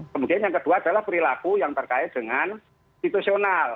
kemudian yang kedua adalah perilaku yang terkait dengan institusional